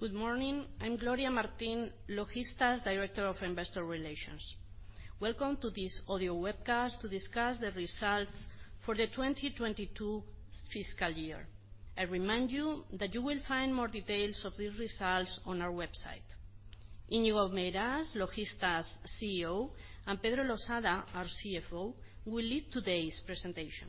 Good morning. I'm Gloria Martín, Logista's Director of Investor Relations. Welcome to this audio webcast to discuss the results for the 2022 fiscal year. I remind you that you will find more details of these results on our website. Íñigo Meirás, Logista's CEO, and Pedro Losada, our CFO, will lead today's presentation.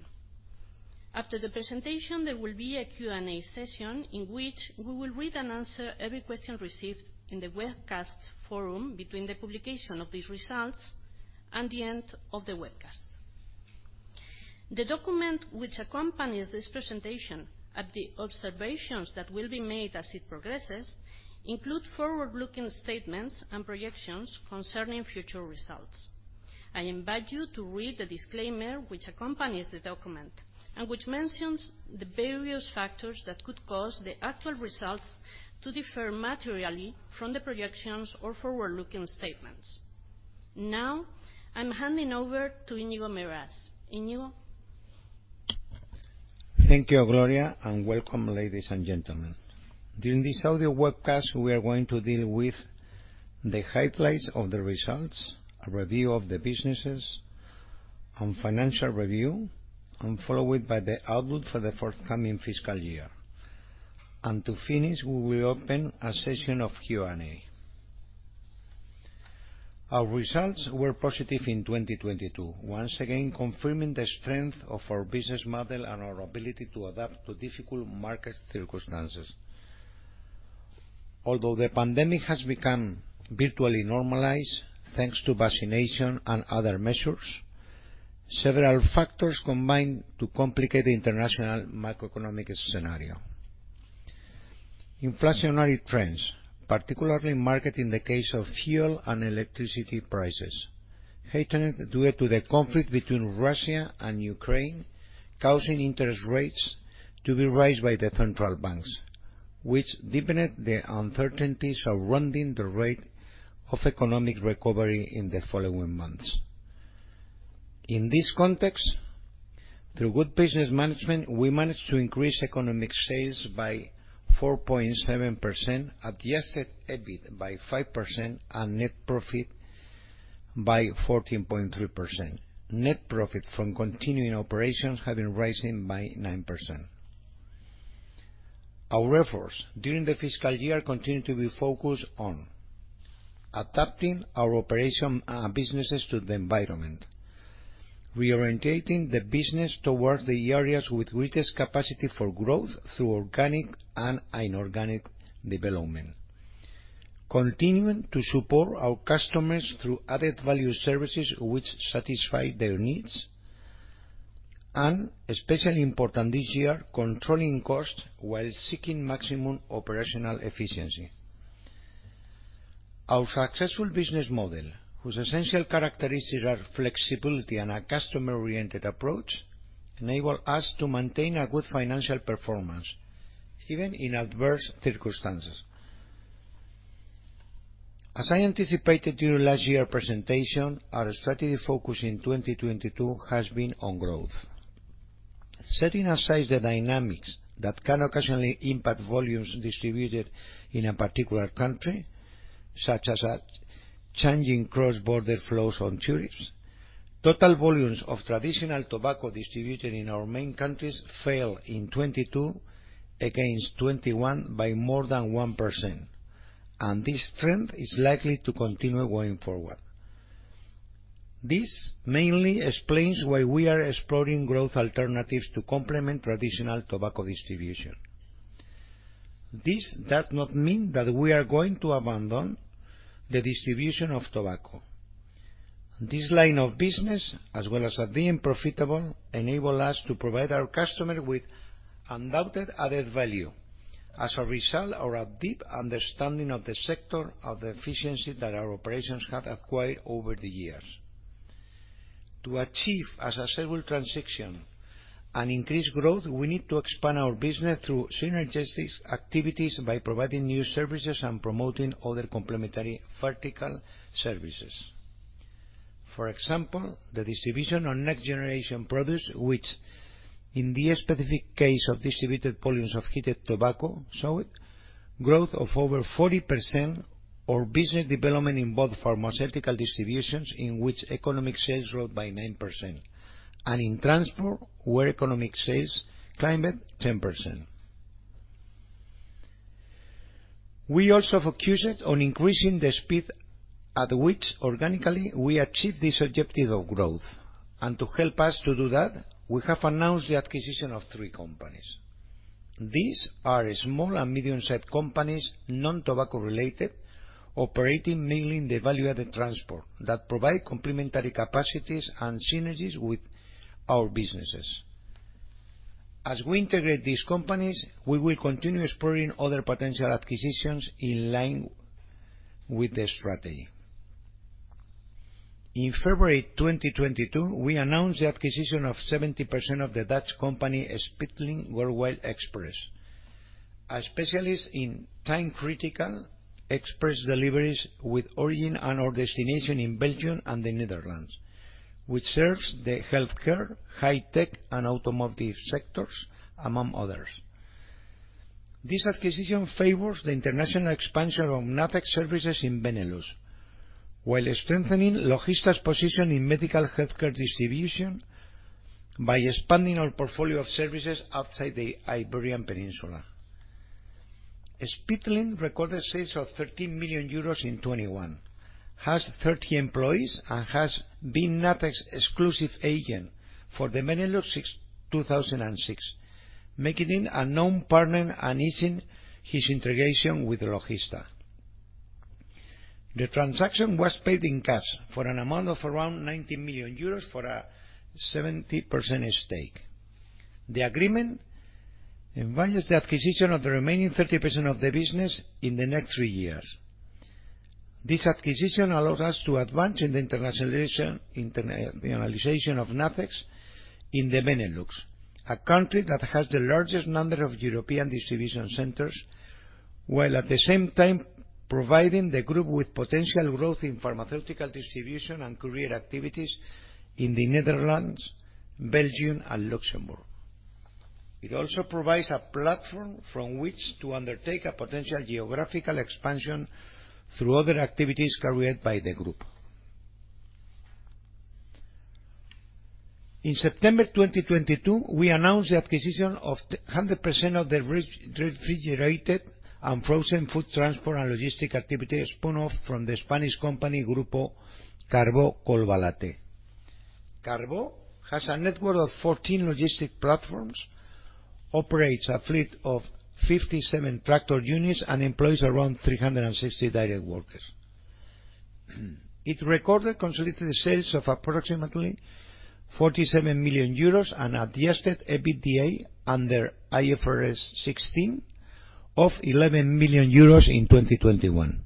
After the presentation, there will be a Q&A session in which we will read and answer every question received in the webcast forum between the publication of these results and the end of the webcast. The document which accompanies this presentation and the observations that will be made as it progresses include forward-looking statements and projections concerning future results. I invite you to read the disclaimer which accompanies the document, and which mentions the various factors that could cause the actual results to differ materially from the projections or forward-looking statements. Now I'm handing over to Íñigo Meirás. Íñigo. Thank you, Gloria, and welcome ladies and gentlemen. During this audio webcast, we are going to deal with the highlights of the results, a review of the businesses and financial review, and followed by the outlook for the forthcoming fiscal year. To finish, we will open a session of Q&A. Our results were positive in 2022, once again confirming the strength of our business model and our ability to adapt to difficult market circumstances. Although the pandemic has become virtually normalized thanks to vaccination and other measures, several factors combined to complicate the international macroeconomic scenario. Inflationary trends, particularly marked in the case of fuel and electricity prices, heightened due to the conflict between Russia and Ukraine, causing interest rates to be raised by the central banks, which deepened the uncertainties surrounding the rate of economic recovery in the following months. In this context, through good business management, we managed to increase economic sales by 4.7%, adjusted EBIT by 5% and net profit by 14.3%. Net profit from continuing operations have been rising by 9%. Our efforts during the fiscal year continued to be focused on adapting our operation, businesses to the environment, reorienting the business towards the areas with greatest capacity for growth through organic and inorganic development. Continue to support our customers through added value services which satisfy their needs, and especially important this year, controlling costs while seeking maximum operational efficiency. Our successful business model, whose essential characteristics are flexibility and a customer-oriented approach, enable us to maintain a good financial performance, even in adverse circumstances. As I anticipated during last year presentation, our strategic focus in 2022 has been on growth. Setting aside the dynamics that can occasionally impact volumes distributed in a particular country, such as a changing cross-border flows on tourists, total volumes of traditional tobacco distributed in our main countries fell in 2022 against 2021 by more than 1%, and this trend is likely to continue going forward. This mainly explains why we are exploring growth alternatives to complement traditional tobacco distribution. This does not mean that we are going to abandon the distribution of tobacco. This line of business, as well as being profitable, enable us to provide our customer with undoubted added value as a result of a deep understanding of the sector of the efficiency that our operations have acquired over the years. To achieve a successful transition and increase growth, we need to expand our business through synergistic activities by providing new services and promoting other complementary vertical services. For example, the distribution on next-generation products, which in the specific case of distributed volumes of heated tobacco, show a growth of over 40%, or business development in both pharmaceutical distributions, in which economic sales growth by 9%, and in transport, where economic sales climbed at 10%. We also focused on increasing the speed at which organically we achieve this objective of growth. To help us to do that, we have announced the acquisition of three companies. These are small and medium-sized companies, non-tobacco related, operating mainly in the value-added transport that provide complementary capacities and synergies with our businesses. As we integrate these companies, we will continue exploring other potential acquisitions in line with the strategy. In February 2022, we announced the acquisition of 70% of the Dutch company Speedlink Worldwide Express, a specialist in time-critical express deliveries with origin and/or destination in Belgium and the Netherlands, which serves the healthcare, high-tech, and automotive sectors, among others. This acquisition favors the international expansion of NACEX services in Benelux, while strengthening Logista's position in medical healthcare distribution by expanding our portfolio of services outside the Iberian Peninsula. Speedlink recorded sales of 13 million euros in 2021, has 30 employees, and has been NACEX's exclusive agent for the Benelux since 2006, making him a known partner and easing his integration with Logista. The transaction was paid in cash for an amount of around 90 million euros for a 70% stake. The agreement invites the acquisition of the remaining 30% of the business in the next three years. This acquisition allows us to advance in the internationalization of NACEX in the Benelux, a country that has the largest number of European distribution centers, while at the same time providing the group with potential growth in pharmaceutical distribution and carrier activities in the Netherlands, Belgium, and Luxembourg. It also provides a platform from which to undertake a potential geographical expansion through other activities carried by the group. In September 2022, we announced the acquisition of 100% of the refrigerated and frozen food transport and logistic activity spun off from the Spanish company, Grupo Carbó Collbatallé. Carbó has a network of 14 logistic platforms, operates a fleet of 57 tractor units, and employs around 360 direct workers. It recorded consolidated sales of approximately 47 million euros and adjusted EBITDA under IFRS 16 of 11 million euros in 2021.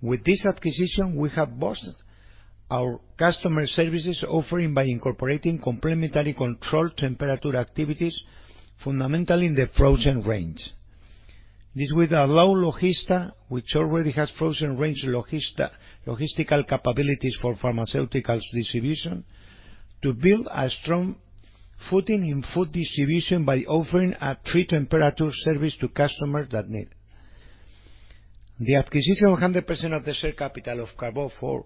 With this acquisition, we have boosted our customer services offering by incorporating complementary controlled temperature activities, fundamentally in the frozen range. This will allow Logista, which already has frozen range Logista logistical capabilities for pharmaceuticals distribution, to build a strong footing in food distribution by offering a three-temperature service to customers that need it. The acquisition of 100% of the share capital of Carbó for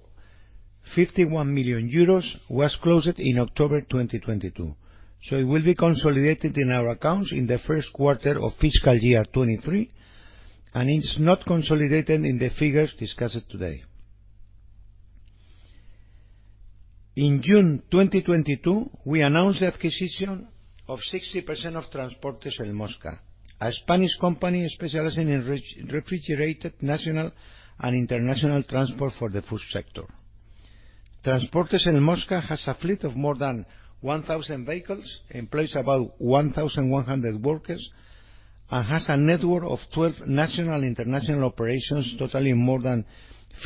51 million euros was closed in October 2022, so it will be consolidated in our accounts in the first quarter of fiscal year 2023, and it's not consolidated in the figures discussed today. In June 2022, we announced the acquisition of 60% of Transportes El Mosca, a Spanish company specializing in refrigerated national and international transport for the food sector. Transportes El Mosca has a fleet of more than 1,000 vehicles, employs about 1,100 workers, and has a network of 12 national-international operations totaling more than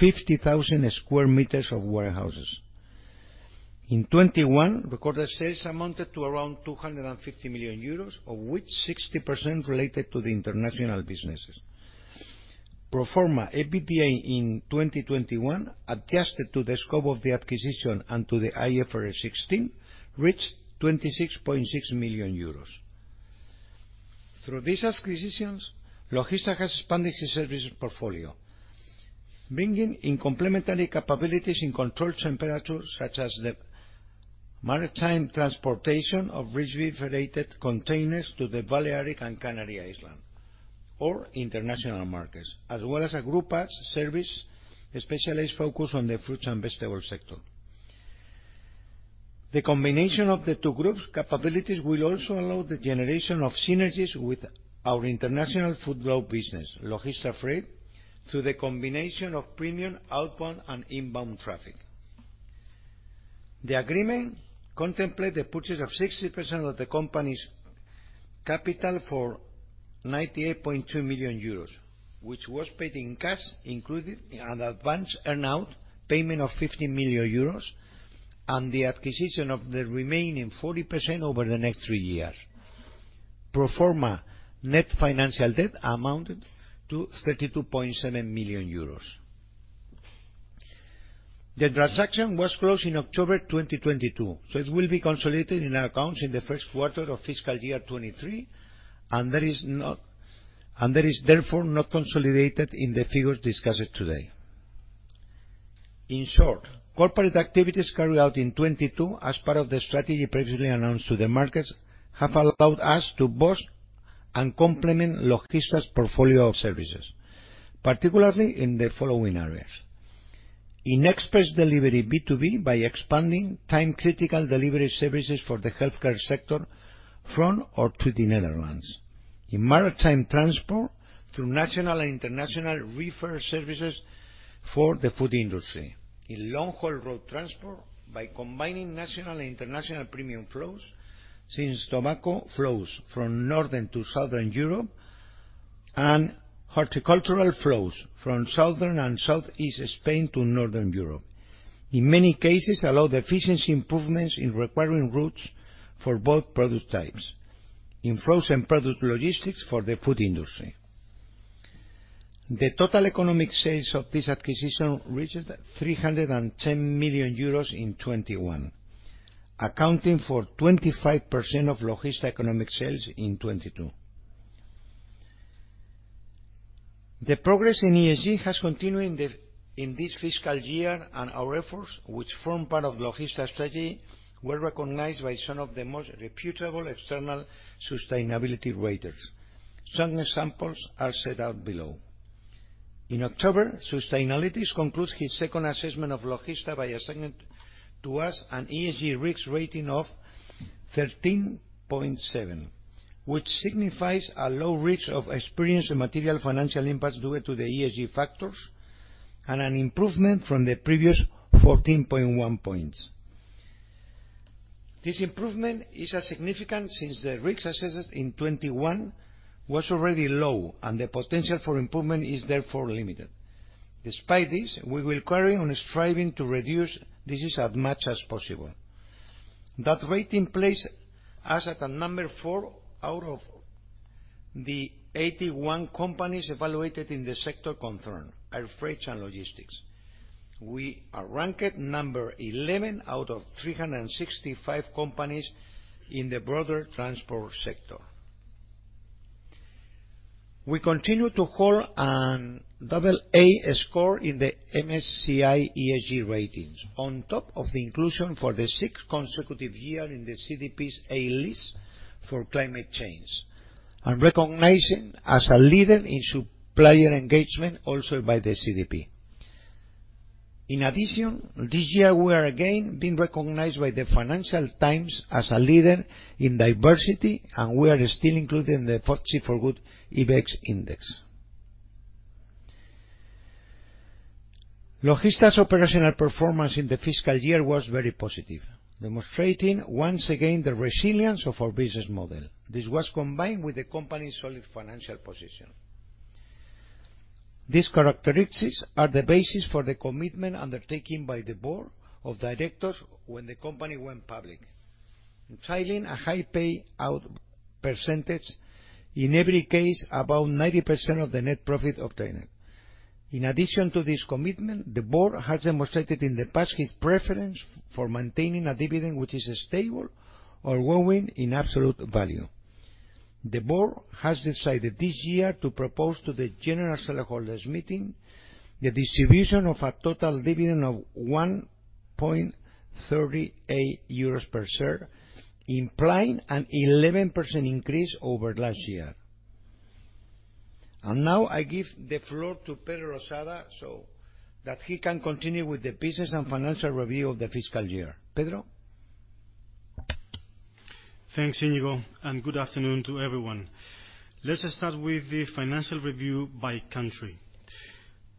50,000 square meters of warehouses. In 2021, recorded sales amounted to around 250 million euros, of which 60% related to the international businesses. Pro forma EBITDA in 2021, adjusted to the scope of the acquisition and to the IFRS 16, reached 26.6 million euros. Through these acquisitions, Logista has expanded its services portfolio, bringing in complementary capabilities in controlled temperatures, such as the maritime transportation of refrigerated containers to the Balearic and Canary Islands or international markets, as well as a groupage service, especially focused on the fruits and vegetables sector. The combination of the two groups' capabilities will also allow the generation of synergies with our international food route business, Logista Freight, through the combination of premium outbound and inbound traffic. The agreement contemplates the purchase of 60% of the company's capital for 98.2 million euros, which was paid in cash, including an advanced earn-out payment of 50 million euros and the acquisition of the remaining 40% over the next three years. Pro forma net financial debt amounted to 32.7 million euros. The transaction was closed in October 2022, so it will be consolidated in our accounts in the first quarter of fiscal year 2023. It is, therefore, not consolidated in the figures discussed today. In short, corporate activities carried out in 2022, as part of the strategy previously announced to the markets, have allowed us to boost and complement Logista's portfolio of services, particularly in the following areas. In express delivery B2B by expanding time-critical delivery services for the healthcare sector from or to the Netherlands. In maritime transport through national and international reefer services for the food industry. In long-haul road transport by combining national and international premium flows, such as tobacco flows from Northern to Southern Europe and horticultural flows from Southern and Southeast Spain to Northern Europe. In many cases, allow the efficiency improvements in returning routes for both product types. In frozen product logistics for the food industry. The total economic sales of this acquisition reaches 310 million euros in 2021, accounting for 25% of Logista economic sales in 2022. The progress in ESG has continued in this fiscal year, and our efforts, which form part of Logista strategy, were recognized by some of the most reputable external sustainability raters. Some examples are set out below. In October, Sustainalytics concludes his second assessment of Logista by assigning to us an ESG risk rating of 13.7, which signifies a low risk of experienced material financial impact due to the ESG factors and an improvement from the previous 14.1 points. This improvement is significant since the risk assessed in 2021 was already low, and the potential for improvement is therefore limited. Despite this, we will carry on striving to reduce this as much as possible. That rating place us at number four out of the 81 companies evaluated in the sector concerned, air freight and logistics. We are ranked number 11 out of 365 companies in the broader transport sector. We continue to hold a double A score in the MSCI ESG ratings on top of the inclusion for the sixth consecutive year in the CDP's A list for climate change and recognized as a leader in supplier engagement also by the CDP. In addition, this year we are again being recognized by the Financial Times as a leader in diversity, and we are still included in the FTSE 4Good IBEX index. Logista's operational performance in the fiscal year was very positive, demonstrating once again the resilience of our business model. This was combined with the company's solid financial position. These characteristics are the basis for the commitment undertaken by the board of directors when the company went public, maintaining a high pay out percentage, in every case, above 90% of the net profit obtained. In addition to this commitment, the board has demonstrated in the past its preference for maintaining a dividend which is stable or growing in absolute value. The board has decided this year to propose to the general shareholders meeting the distribution of a total dividend of 1.38 euros per share, implying an 11% increase over last year. Now I give the floor to Pedro Losada so that he can continue with the business and financial review of the fiscal year. Pedro? Thanks, Íñigo, and good afternoon to everyone. Let's start with the financial review by country.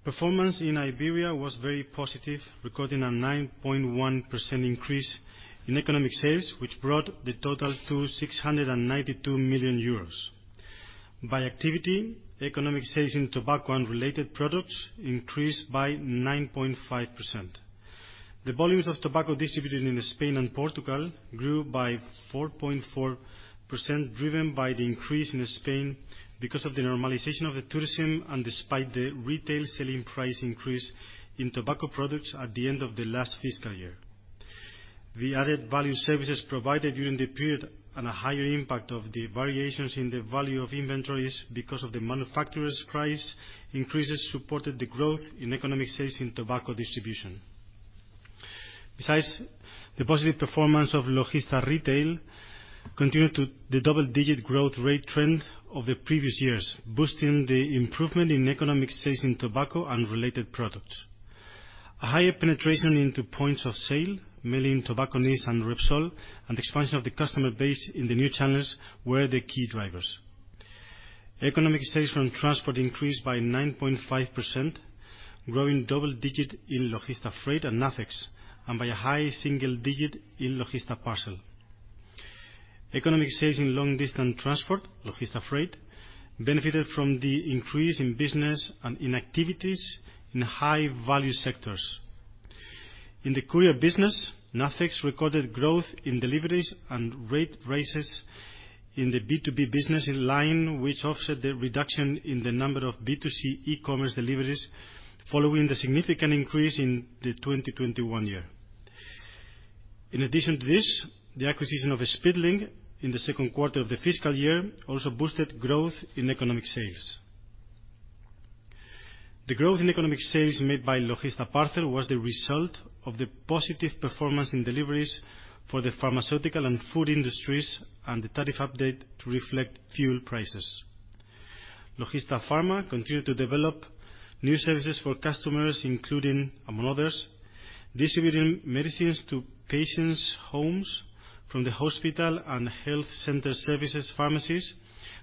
Performance in Iberia was very positive, recording a 9.1% increase in economic sales, which brought the total to 692 million euros. By activity, economic sales in tobacco and related products increased by 9.5%. The volumes of tobacco distributed in Spain and Portugal grew by 4.4%, driven by the increase in Spain because of the normalization of the tourism and despite the retail selling price increase in tobacco products at the end of the last fiscal year. The added value services provided during the period and a higher impact of the variations in the value of inventories because of the manufacturer's price increases supported the growth in economic sales in tobacco distribution. Besides, the positive performance of Logista Retail continued the double-digit growth rate trend of the previous years, boosting the improvement in economic sales in tobacco and related products. A higher penetration into points of sale, mainly in Tobacconists and Repsol, and expansion of the customer base in the new channels were the key drivers. Economic sales from transport increased by 9.5%, growing double digit in Logista Freight and NACEX, and by a high single digit in Logista Parcel. Economic sales in long-distance transport, Logista Freight, benefited from the increase in business and in activities in high-value sectors. In the courier business, NACEX recorded growth in deliveries and rate increases in the B2B business in line, which offset the reduction in the number of B2C e-commerce deliveries following the significant increase in the 2021 year. In addition to this, the acquisition of Speedlink in the second quarter of the fiscal year also boosted growth in organic sales. The growth in organic sales made by Logista Parcel was the result of the positive performance in deliveries for the pharmaceutical and food industries and the tariff update to reflect fuel prices. Logista Pharma continued to develop new services for customers, including, among others, distributing medicines to patients' homes from the hospital and health center services pharmacies,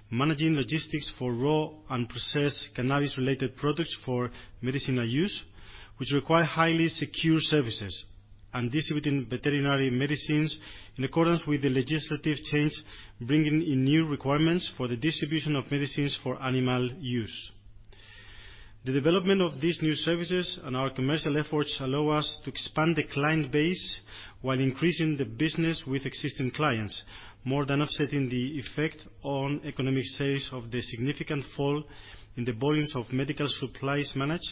managing logistics for raw and processed cannabis-related products for medicinal use, which require highly secure services, and distributing veterinary medicines in accordance with the legislative change, bringing in new requirements for the distribution of medicines for animal use. The development of these new services and our commercial efforts allow us to expand the client base while increasing the business with existing clients, more than offsetting the effect on economic sales of the significant fall in the volumes of medical supplies managed,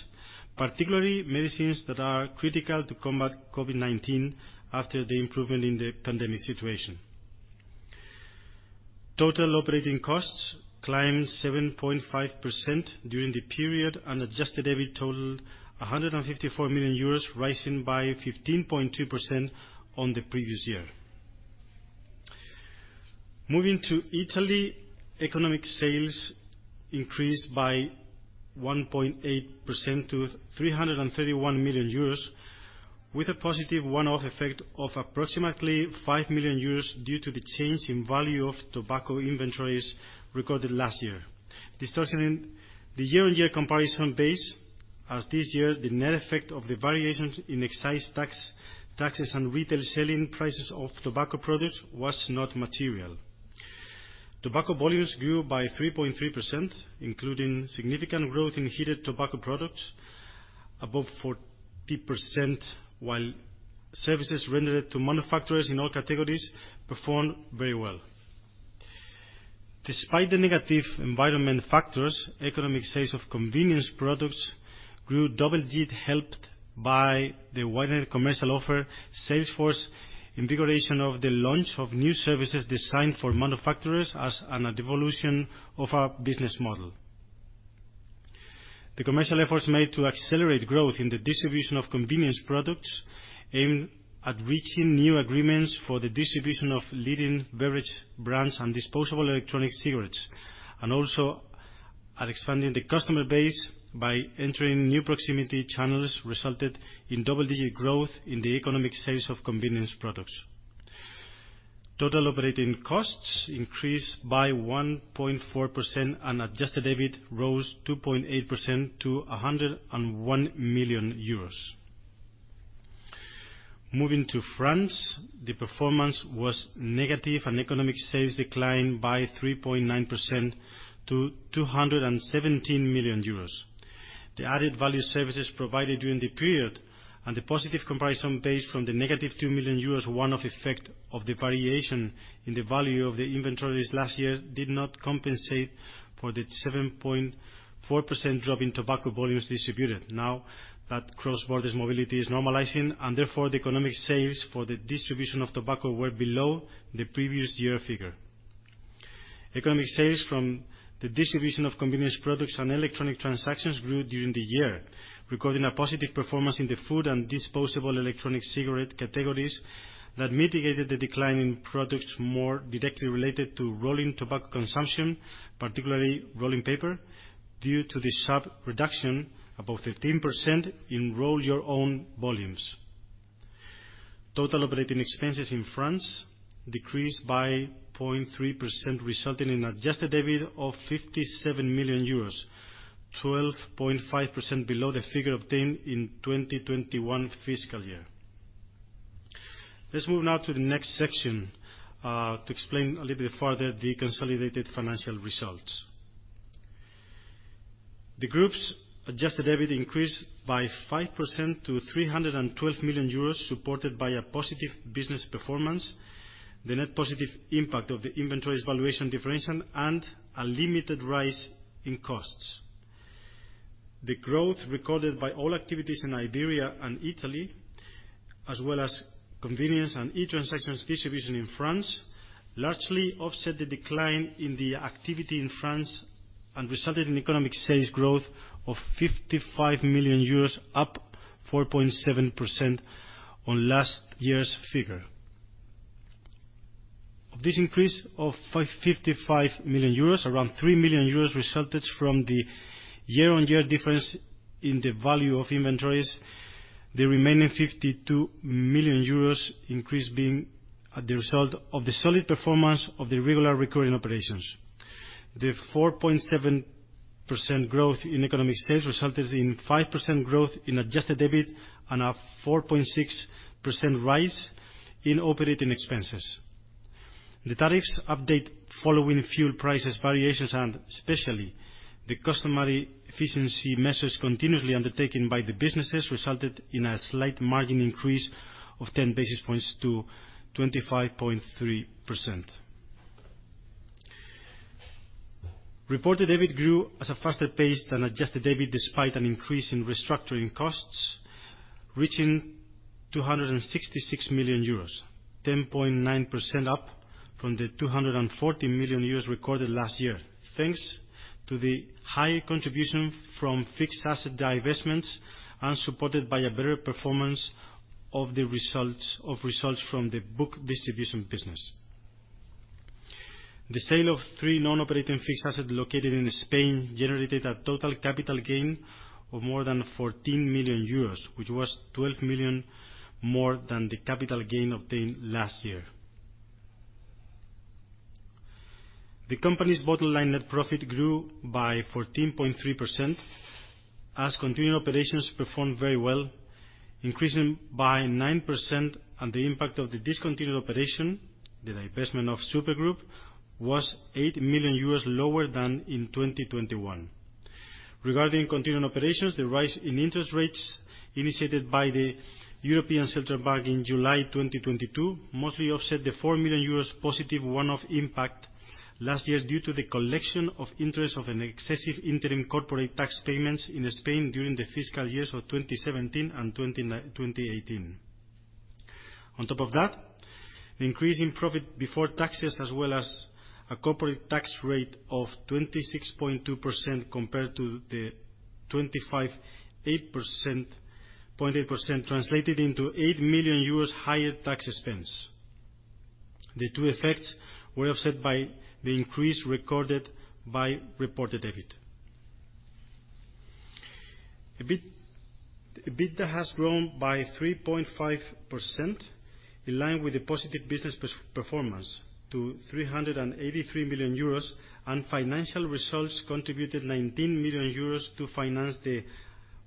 particularly medicines that are critical to combat COVID-19 after the improvement in the pandemic situation. Total operating costs climbed 7.5% during the period, and adjusted EBIT totaled 154 million euros, rising by 15.2% on the previous year. Moving to Italy, economic sales increased by 1.8% to 331 million euros, with a positive one-off effect of approximately 5 million euros due to the change in value of tobacco inventories recorded last year. Distortion in the year-on-year comparison base, as this year, the net effect of the variations in taxes on retail selling prices of tobacco products was not material. Tobacco volumes grew by 3.3%, including significant growth in heated tobacco products above 40%, while services rendered to manufacturers in all categories performed very well. Despite the negative environment factors, economic sales of convenience products grew double-digit, helped by the wider commercial offer sales force, invigoration of the launch of new services designed for manufacturers as an evolution of our business model. The commercial efforts made to accelerate grwth in the distribution of convenience products, aimed at reaching new agreements for the distribution of leading beverage brands and disposable electronic cigarettes, and also at expanding the customer base by entering new proximity channels, resulted in double-digit growth in the economic sales of convenience products. Total operating costs increased by 1.4%, and adjusted EBIT rose 2.8% to 101 million euros. Moving to France, the performance was negative, and economic sales declined by 3.9% to 217 million euros. The added value services provided during the period and the positive comparison base from the -2 million euros one-off effect of the variation in the value of the inventories last year did not compensate for the 7.4% drop in tobacco volumes distributed now that cross-border mobility is normalizing, and therefore, the economic sales for the distribution of tobacco were below the previous year figure. Economic sales from the distribution of convenience products and electronic transactions grew during the year, recording a positive performance in the food and disposable electronic cigarette categories that mitigated the decline in products more directly related to rolling tobacco consumption, particularly rolling paper, due to the sharp reduction, above 15%, in roll your own volumes. Total operating expenses in France decreased by 0.3%, resulting in adjusted EBIT of 57 million euros, 12.5% below the figure obtained in 2021 fiscal year. Let's move now to the next section, to explain a little bit further the consolidated financial results. The group's adjusted EBIT increased by 5% to 312 million euros, supported by a positive business performance, the net positive impact of the inventories valuation differentiation, and a limited rise in costs. The growth recorded by all activities in Iberia and Italy, as well as convenience and e-transactions distribution in France, largely offset the decline in the activity in France and resulted in economic sales growth of 55 million euros, up 4.7% on last year's figure. Of this increase of 55 million euros, around 3 million euros resulted from the year-on-year difference in the value of inventories, the remaining 52 million euros increase being the result of the solid performance of the regular recurring operations. The 4.7% growth in economic sales resulted in 5% growth in adjusted EBIT and a 4.6% rise in operating expenses. The tariffs update following fuel prices variations and, especially, the customary efficiency measures continuously undertaken by the businesses, resulted in a slight margin increase of 10 basis points to 25.3%. Reported EBIT grew at a faster pace than adjusted EBIT despite an increase in restructuring costs, reaching 266 million euros, 10.9% up from the 214 million euros recorded last year, thanks to the high contribution from fixed asset divestments and supported by a better performance of the results from the book distribution business. The sale of three non-operating fixed assets located in Spain generated a total capital gain of more than 14 million euros, which was 12 million more than the capital gain obtained last year. The company's bottom line net profit grew by 14.3%, as continuing operations performed very well, increasing by 9%, and the impact of the discontinued operations. The divestment of Supergroup was 8 million euros lower than in 2021. Regarding continuing operations, the rise in interest rates initiated by the European Central Bank in July 2022 mostly offset the 4 million euros positive one-off impact last year due to the collection of interest on excessive interim corporate tax payments in Spain during the fiscal years of 2017 and 2018. On top of that, the increase in profit before taxes as well as a corporate tax rate of 26.2% compared to the 25.8% translated into 8 million euros higher tax expense. The two effects were offset by the increase recorded by reported EBIT. EBITDA has grown by 3.5% in line with the positive business performance to 383 million euros. Financial results contributed 19 million euros to finance the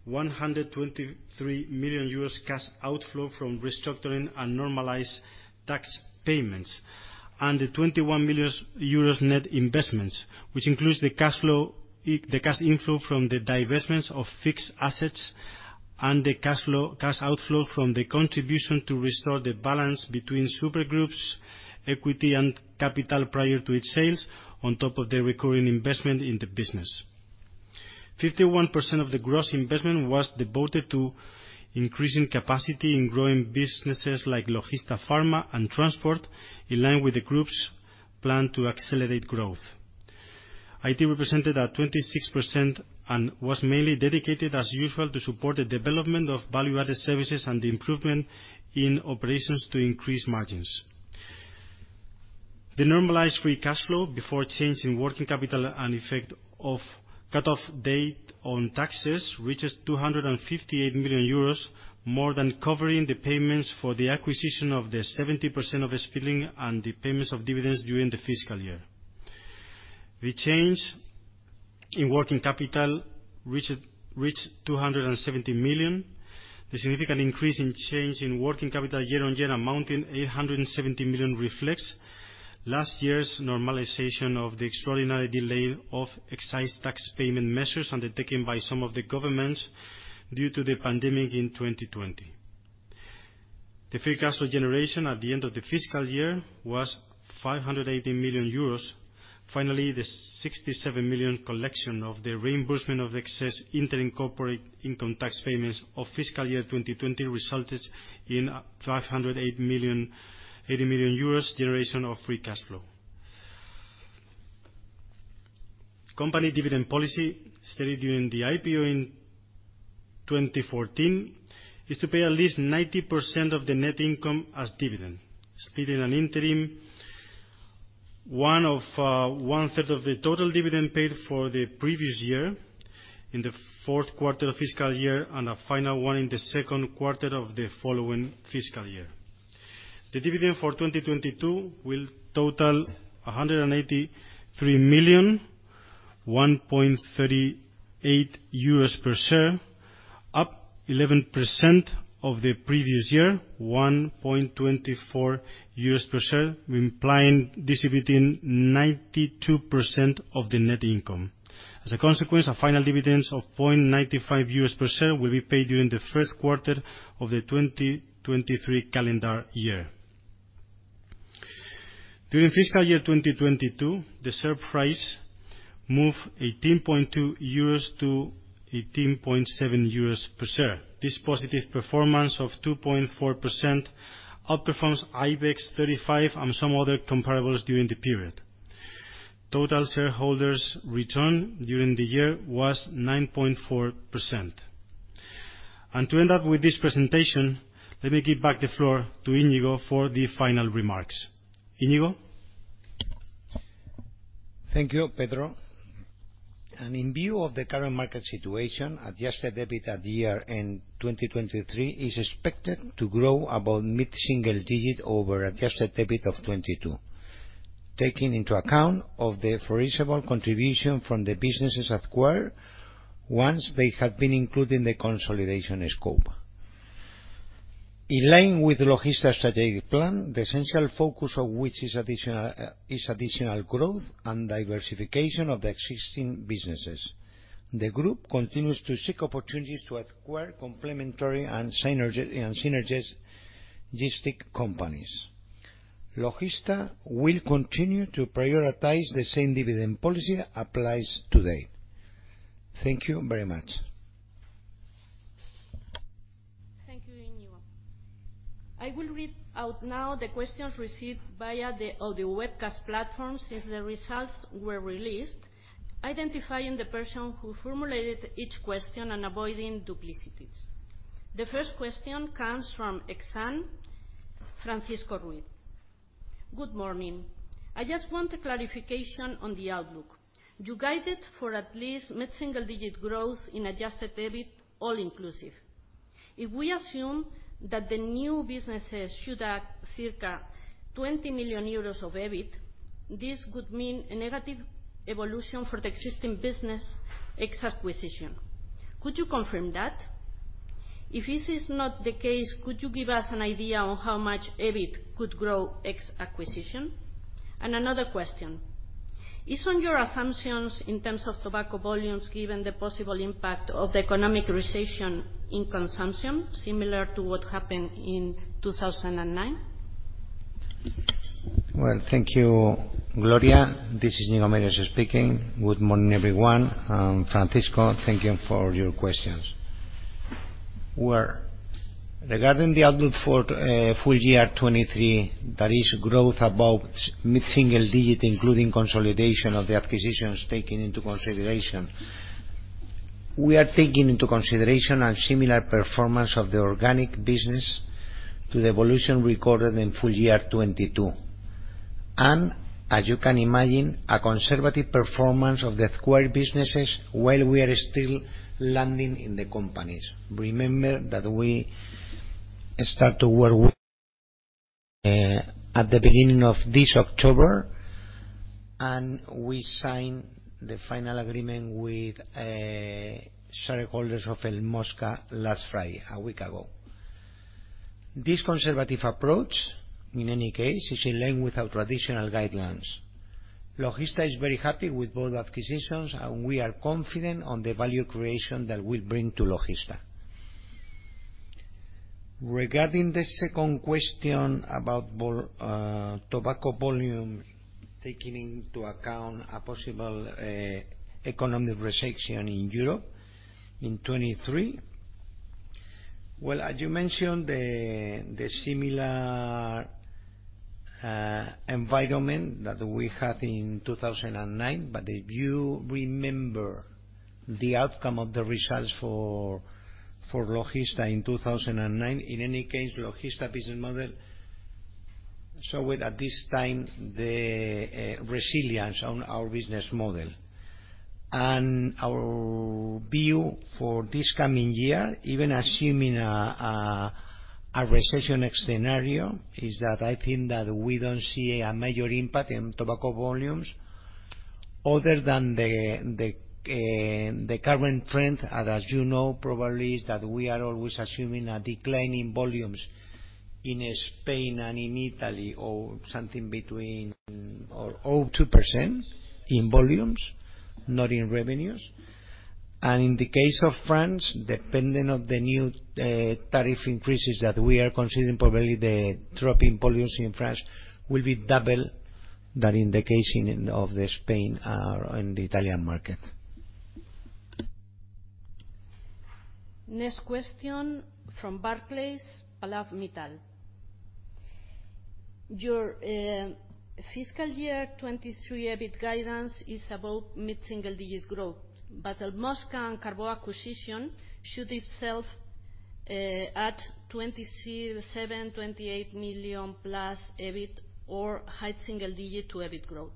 123 million euros cash outflow from restructuring and normalized tax payments. The 21 million euros net investments, which includes the cash flow, the cash inflow from the divestments of fixed assets and the cash flow, cash outflow from the contribution to restore the balance between Supergroup's equity and capital prior to its sales on top of the recurring investment in the business. 51% of the gross investment was devoted to increasing capacity in growing businesses like Logista Pharma and Transport, in line with the group's plan to accelerate growth. IT represented 26% and was mainly dedicated, as usual, to support the development of value-added services and the improvement in operations to increase margins. The normalized free cash flow before change in working capital and effect of cutoff date on taxes reaches 258 million euros, more than covering the payments for the acquisition of the 70% of Speedlink and the payments of dividends during the fiscal year. The change in working capital reached 270 million. The significant increase in change in working capital year-on-year amounting 870 million reflects last year's normalization of the extraordinary delay of excise tax payment measures undertaken by some of the governments due to the pandemic in 2020. The free cash flow generation at the end of the fiscal year was 580 million euros. Finally, the 67 million collection of the reimbursement of excess interim corporate income tax payments of fiscal year 2020 resulted in 580 million, 80 million euros generation of free cash flow. Company dividend policy started during the IPO in 2014 is to pay at least 90% of the net income as dividend, split in an interim, one third of the total dividend paid for the previous year in the fourth quarter of fiscal year and a final one in the second quarter of the following fiscal year. The dividend for 2022 will total 183 million, 1.38 euros per share, up 11% of the previous year, 1.24 euros per share, implying distributing 92% of the net income. As a consequence, our final dividends of 0.95 EUR per share will be paid during the first quarter of the 2023 calendar year. During fiscal year 2022, the share price moved 18.2 euros to 18.7 euros per share. This positive performance of 2.4% outperforms IBEX 35 and some other comparables during the period. Total shareholders' return during the year was 9.4%. To end up with this presentation, let me give back the floor to Íñigo for the final remarks. Íñigo? Thank you, Pedro. In view of the current market situation, adjusted EBIT at year-end 2023 is expected to grow about mid-single digit over adjusted EBIT of 2022, taking into account of the foreseeable contribution from the businesses acquired once they have been included in the consolidation scope. In line with Logista's strategic plan, the essential focus of which is additional growth and diversification of the existing businesses, the group continues to seek opportunities to acquire complementary and synergistic companies. Logista will continue to prioritize the same dividend policy applies today. Thank you very much. Thank you, Íñigo Meirás. I will read out now the questions received via the webcast platform since the results were released, identifying the person who formulated each question and avoiding duplicities. The first question comes from Exane, Francisco Ruiz. Good morning. I just want a clarification on the outlook. You guided for at least mid-single-digit growth in adjusted EBIT, all inclusive. If we assume that the new businesses should add circa 20 million euros of EBIT, this would mean a negative evolution for the existing business ex acquisition. Could you confirm that? If this is not the case, could you give us an idea on how much EBIT could grow ex acquisition? Another question. Is on your assumptions in terms of tobacco volumes given the possible impact of the economic recession in consumption similar to what happened in 2009? Well, thank you, Gloria. This is Íñigo Meirás speaking. Good morning, everyone. Francisco, thank you for your questions. Regarding the outlook for full year 2023, that is growth above mid-single digit, including consolidation of the acquisitions taken into consideration. We are taking into consideration a similar performance of the organic business to the evolution recorded in full year 2022. As you can imagine, a conservative performance of the acquired businesses while we are still landing in the companies. Remember that we start to work with at the beginning of this October, and we signed the final agreement with shareholders of El Mosca last Friday, a week ago. This conservative approach, in any case, is in line with our traditional guidelines. Logista is very happy with both acquisitions, and we are confident on the value creation that will bring to Logista. Regarding the second question about tobacco volume, taking into account a possible economic recession in Europe in 2023. Well, as you mentioned, the similar environment that we had in 2009, but if you remember the outcome of the results for Logista in 2009, in any case, Logista business model showed at this time the resilience on our business model. Our view for this coming year, even assuming a recession scenario, is that I think that we don't see a major impact in tobacco volumes other than the current trend. As you know, probably is that we are always assuming a decline in volumes in Spain and in Italy or something between or over 2% in volumes, not in revenues. In the case of France, depending on the new tariff increases that we are considering, probably the drop in volumes in France will be double that in the case of Spain or in the Italian market. Next question from Barclays, Pallav Mittal. Your fiscal year 2023 EBIT guidance is about mid-single digit growth, but El Mosca and Carbó acquisition should itself add EUR 27-28 millio+ EBIT or high single digit to EBIT growth.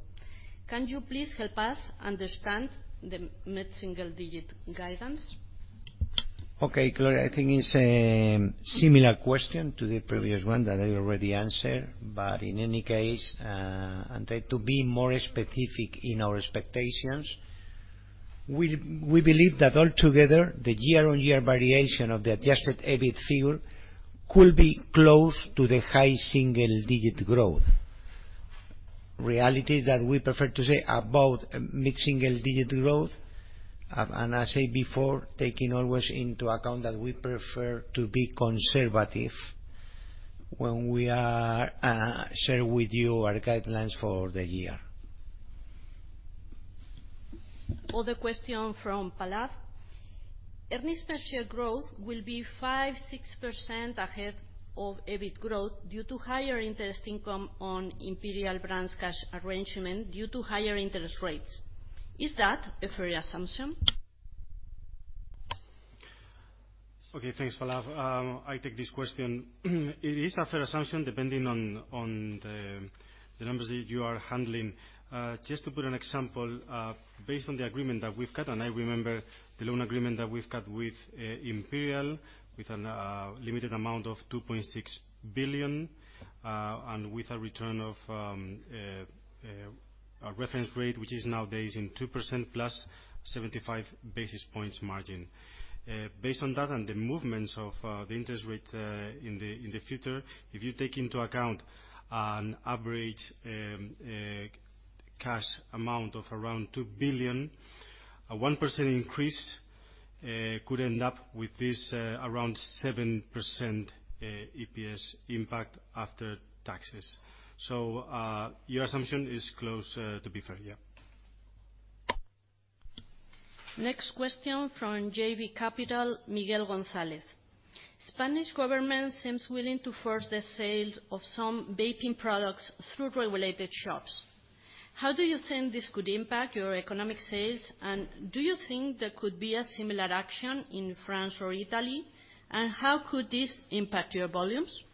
Can you please help us understand the mid-single digit guidance? Okay, Gloria, I think it's a similar question to the previous one that I already answered. In any case, and to be more specific in our expectations, we believe that altogether, the year-on-year variation of the adjusted EBIT figure could be close to the high single digit growth. Reality is that we prefer to say about mid-single digit growth, and I say before, taking always into account that we prefer to be conservative when we are sharing with you our guidelines for the year. Other question from Pallav. Earnings per share growth will be 5%-6% ahead of EBIT growth due to higher interest income on Imperial Brands cash arrangement due to higher interest rates. Is that a fair assumption? Okay, thanks, Pallav. I take this question. It is a fair assumption, depending on the numbers that you are handling. Just to put an example, based on the agreement that we've got, and I remember the loan agreement that we've got with Imperial, with a limited amount of 2.6 billion, and with a return of a reference rate, which is nowadays at 2% plus 75 basis points margin. Based on that and the movements of the interest rate in the future, if you take into account an average cash amount of around 2 billion, a 1% increase could end up with this around 7% EPS impact after taxes. Your assumption is close to be fair. Yeah. Next question from JB Capital, Miguel González. Spanish government seems willing to force the sales of some vaping products through regulated shops. How do you think this could impact your e-commerce sales? And do you think there could be a similar action in France or Italy? And how could this impact your volumes?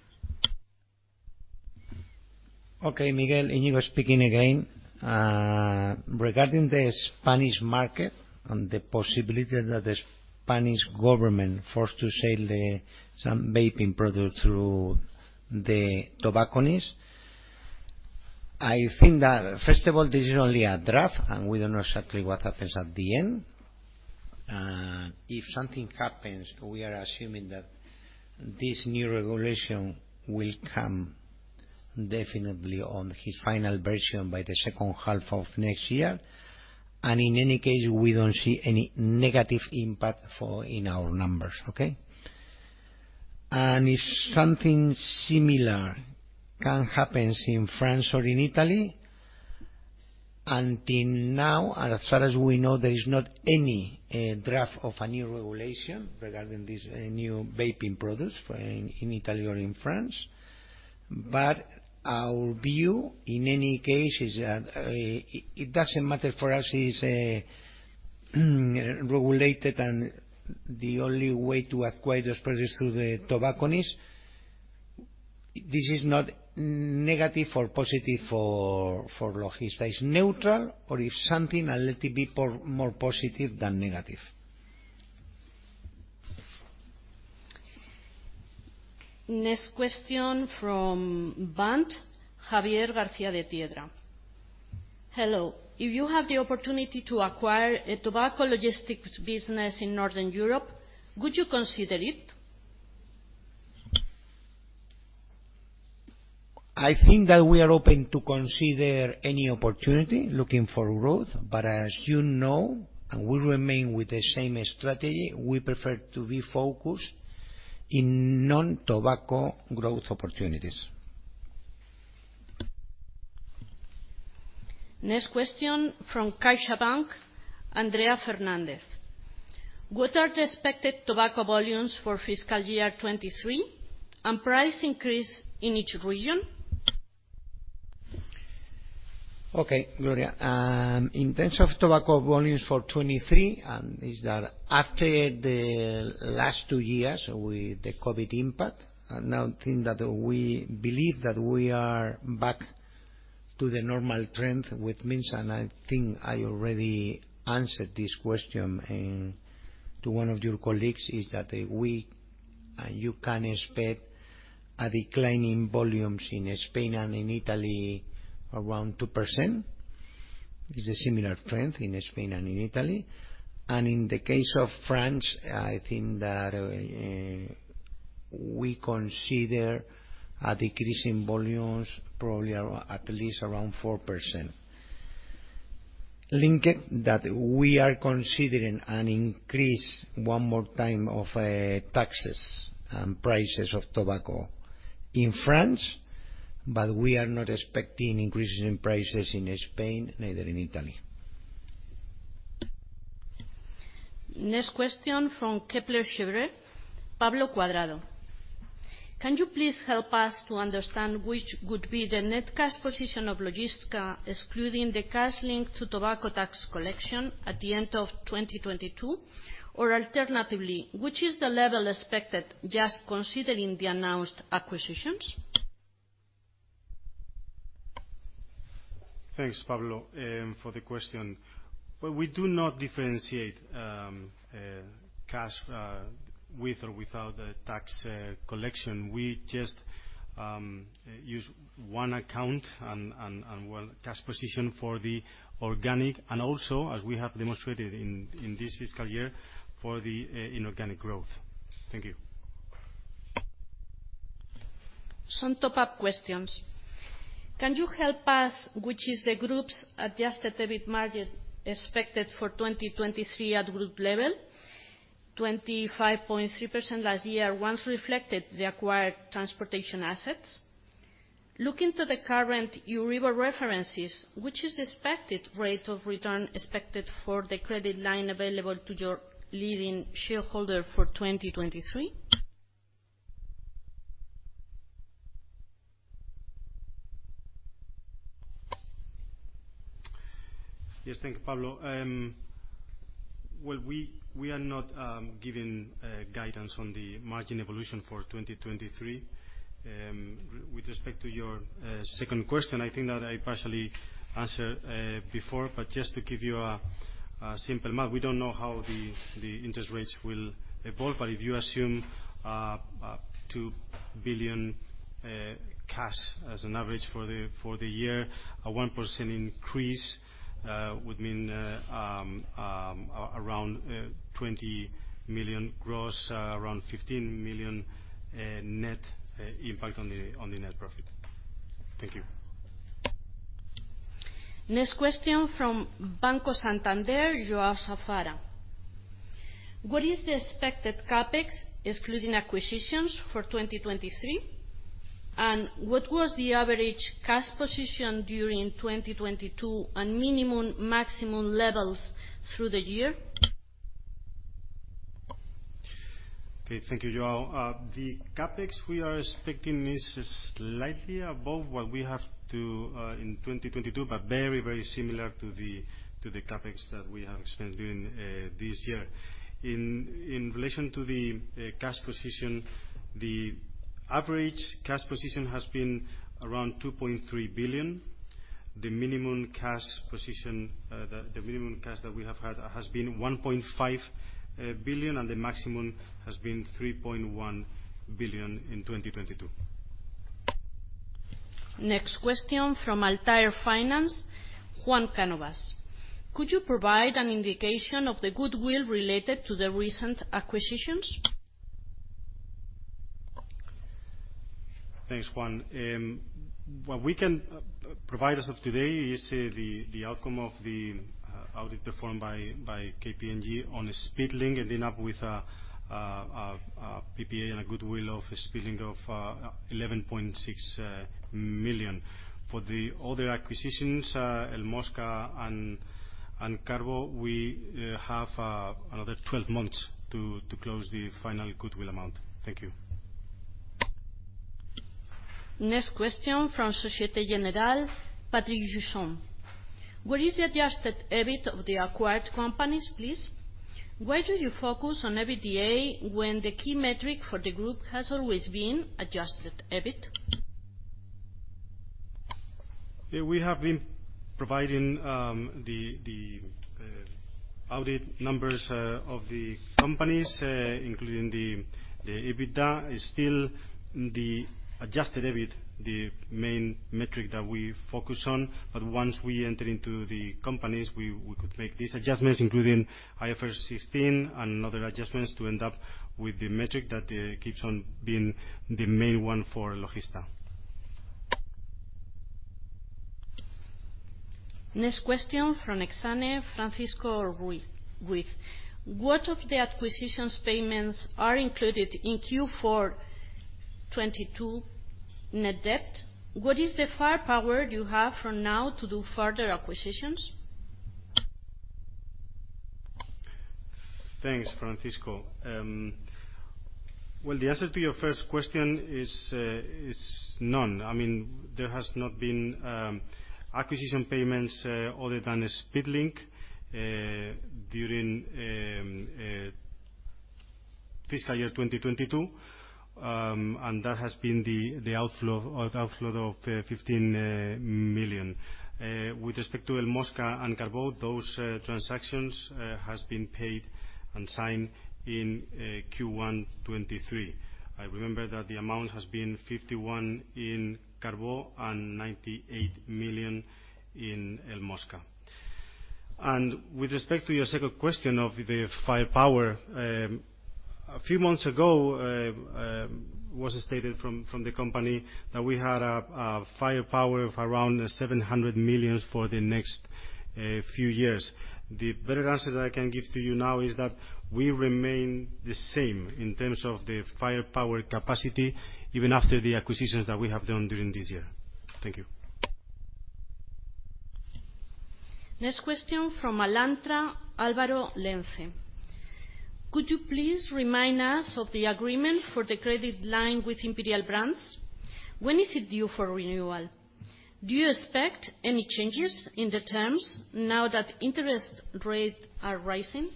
Okay, Miguel. Íñigo Meirás speaking again. Regarding the Spanish market and the possibility that the Spanish government forced to sell some vaping products through the tobacconists. I think that, first of all, this is only a draft, and we don't know exactly what happens at the end. If something happens, we are assuming that this new regulation will come definitely on the final version by the second half of next year. In any case, we don't see any negative impact in our numbers. Okay? If something similar can happen in France or in Italy, until now, as far as we know, there is not any draft of a new regulation regarding these new vaping products in Italy or in France. Our view, in any case, is that it doesn't matter for us. It is regulated and the only way to acquire those products is through the tobacconist. This is not negative or positive for Logista. It's neutral, or if something, a little bit more positive than negative. Next question from BBVA, Javier García de Tiedra. Hello. If you have the opportunity to acquire a tobacco logistics business in Northern Europe, would you consider it? I think that we are open to consider any opportunity looking for growth. As you know, and we remain with the same strategy, we prefer to be focused in non-tobacco growth opportunities. Next question from CaixaBank, Andrea Fernández. What are the expected tobacco volumes for fiscal year 2023, and price increase in each region? Okay, Gloria. In terms of tobacco volumes for 2023, is that after the last two years with the COVID impact, and now I think that we believe that we are back to the normal trend, which means, and I think I already answered this question, and, to one of your colleagues, is that, we. You can expect a decline in volumes in Spain and in Italy around 2%. It's a similar trend in Spain and in Italy. In the case of France, I think that, we consider a decrease in volumes probably at least around 4%, linked that we are considering an increase one more time of, taxes and prices of tobacco in France, but we are not expecting increases in prices in Spain, neither in Italy. Next question from Kepler Cheuvreux, Pablo Cuadrado. Can you please help us to understand which would be the net cash position of Logista excluding the cash linked to tobacco tax collection at the end of 2022? Alternatively, which is the level expected just considering the announced acquisitions? Thanks, Pablo, for the question. Well, we do not differentiate cash with or without the tax collection. We just use one account and one cash position for the organic, and also, as we have demonstrated in this fiscal year, for the inorganic growth. Thank you. Some follow-up questions. Can you help us which is the group's adjusted EBIT margin expected for 2023 at group level? 25.3% last year, which reflected the acquired transportation assets. Looking to the current Euribor references, which is the expected rate of return expected for the credit line available to your leading shareholder for 2023? Yes, thank you, Pablo. Well, we are not giving guidance on the margin evolution for 2023. With respect to your second question, I think that I partially answered before, but just to give you a simple mark, we don't know how the interest rates will evolve. If you assume 2 billion cash as an average for the year, a 1% increase would mean around 20 million gross, around 15 million net impact on the net profit. Thank you. Next question from Banco Santander, João Safara. What is the expected CapEx excluding acquisitions for 2023? And what was the average cash position during 2022, and minimum, maximum levels through the year? Okay. Thank you, João. The CapEx we are expecting is slightly above what we have to in 2022, but very, very similar to the CapEx that we have spent during this year. In relation to the cash position, the average cash position has been around 2.3 billion. The minimum cash position, the minimum cash that we have had has been 1.5 billion, and the maximum has been 3.1 billion in 2022. Next question from Alantra Finance, Juan Cánovas. Could you provide an indication of the goodwill related to the recent acquisitions? Thanks, Juan. What we can provide as of today is the outcome of the audit performed by KPMG on Speedlink, ending up with a PPA and a goodwill of Speedlink of 11.6 million. For the other acquisitions, El Mosca and Carbó, we have another 12 months to close the final goodwill amount. Thank you. Next question from Société Générale, Patrick Jousseaume. What is the adjusted EBIT of the acquired companies, please? Why do you focus on EBITDA when the key metric for the group has always been adjusted EBIT? Yeah, we have been providing the audit numbers of the companies, including the EBITDA, is still the adjusted EBIT, the main metric that we focus on. Once we enter into the companies, we could make these adjustments, including IFRS 16 and other adjustments, to end up with the metric that keeps on being the main one for Logista. Next question from Exane, Francisco Ruiz. Which of the acquisitions payments are included in Q4 2022 net debt? What is the firepower you have for now to do further acquisitions? Thanks, Francisco. Well, the answer to your first question is none. I mean, there has not been acquisition payments other than Speedlink during fiscal year 2022. That has been the outflow of 15 million. With respect to El Mosca and Carbó, those transactions has been paid and signed in Q1 2023. I remember that the amount has been 51 million in Carbó and 98 million in El Mosca. With respect to your second question of the firepower, a few months ago was stated from the company that we had a firepower of around 700 million for the next few years. The better answer that I can give to you now is that we remain the same in terms of the firepower capacity even after the acquisitions that we have done during this year. Thank you. Next question from Alantra, Álvaro Lence. Could you please remind us of the agreement for the credit line with Imperial Brands? When is it due for renewal? Do you expect any changes in the terms now that interest rates are rising?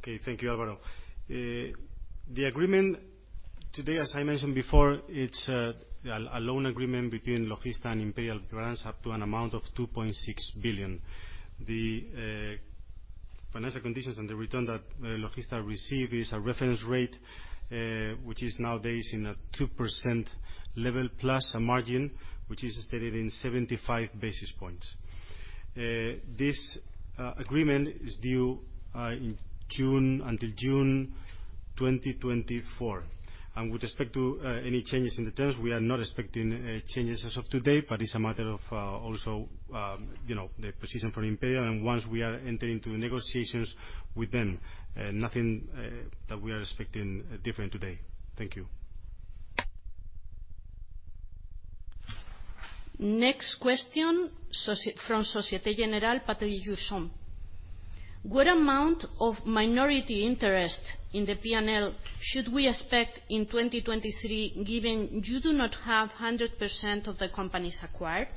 Okay. Thank you, Álvaro. The agreement today, as I mentioned before, it's a loan agreement between Logista and Imperial Brands up to an amount of 2.6 billion. The financial conditions and the return that Logista receive is a reference rate, which is nowadays in a 2% level, plus a margin, which is stated in 75 basis points. This agreement is due in June until June 2024. With respect to any changes in the terms, we are not expecting changes as of today, but it's a matter of also, you know, the position for Imperial and once we are entering into negotiations with them. Nothing that we are expecting different today. Thank you. Next question, from Société Générale, Patrick Jousseaume. What amount of minority interest in the P&L should we expect in 2023, given you do not have 100% of the companies acquired?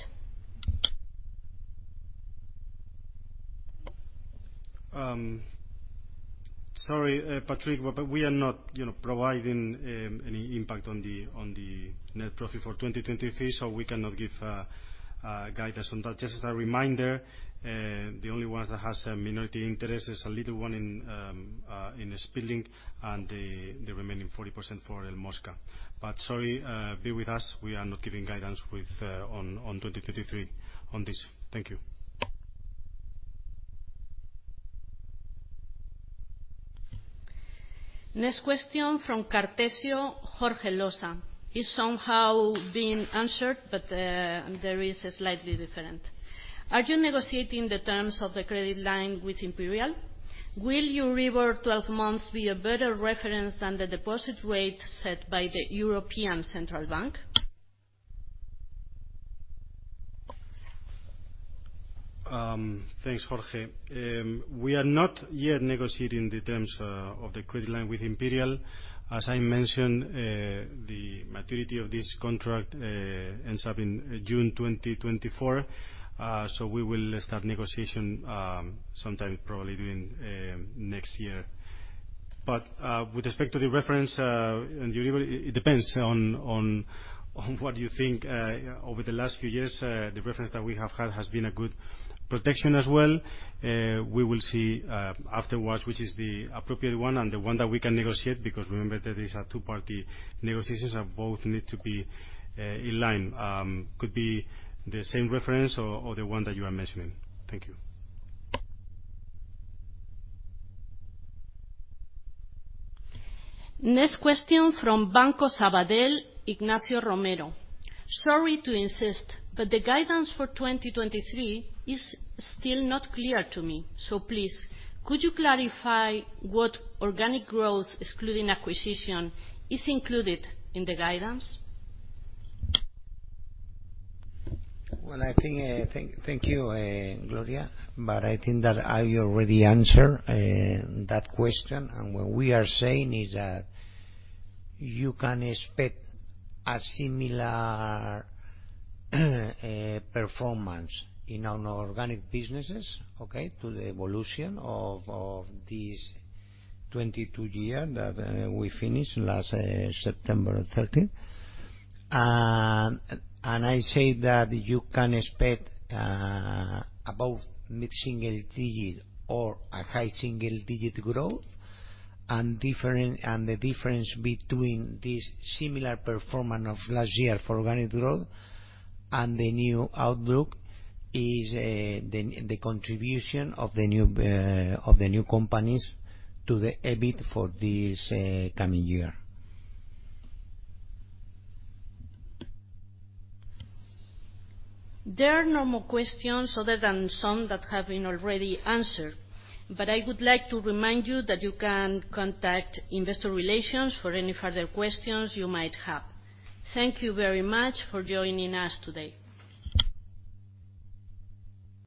Sorry, Patrick, but we are not, you know, providing any impact on the net profit for 2023, so we cannot give guidance on that. Just as a reminder, the only ones that has a minority interest is a little one in Speedlink and the remaining 40% for El Mosca. Sorry, bear with us, we are not giving guidance on 2023 on this. Thank you. Next question from Cartesio, Jorge Losa. It's somehow been answered, but, there is slightly different. Are you negotiating the terms of the credit line with Imperial? Will your Euribor 12 months be a better reference than the deposit rate set by the European Central Bank? Thanks, Jorge. We are not yet negotiating the terms of the credit line with Imperial. As I mentioned, the maturity of this contract ends up in June 2024. We will start negotiation sometime probably during next year. With respect to the reference and the delivery, it depends on what you think. Over the last few years, the reference that we have had has been a good protection as well. We will see afterwards which is the appropriate one and the one that we can negotiate, because remember that is a two-party negotiations and both need to be in line. Could be the same reference or the one that you are mentioning. Thank you. Next question from Banco Sabadell, Ignacio Romero. Sorry to insist, but the guidance for 2023 is still not clear to me. Please, could you clarify what organic growth excluding acquisition is included in the guidance? Well, I think thank you, Gloria, but I think that I already answered that question. What we are saying is that you can expect a similar performance in our non-organic businesses, okay, to the evolution of this 2022 year that we finished last September thirteenth. I say that you can expect about mid-single digit or a high single-digit growth and the difference between this similar performance of last year for organic growth and the new outlook is the contribution of the new companies to the EBIT for this coming year. There are no more questions other than some that have been already answered. I would like to remind you that you can contact investor relations for any further questions you might have. Thank you very much for joining us today.